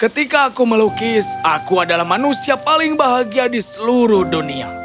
ketika aku melukis aku adalah manusia paling bahagia di seluruh dunia